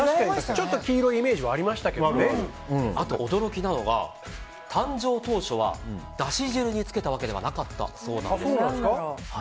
ちょっと黄色いイメージはあと驚きなのが誕生当初は、だし汁につけたわけではなかったそうです。